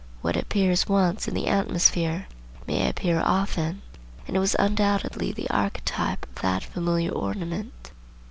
What appears once in the atmosphere may appear often, and it was undoubtedly the archetype of that familiar ornament.